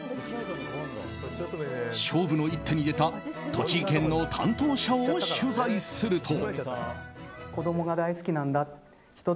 勝負の一手に出た栃木県の担当者を取材すると。